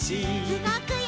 うごくよ！